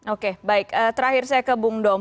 oke baik terakhir saya ke bung dom